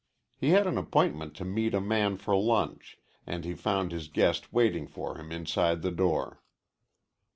He had an appointment to meet a man for lunch, and he found his guest waiting for him inside the door.